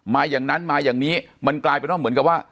อย่างนั้นมาอย่างนี้มันกลายเป็นว่าเหมือนกับว่า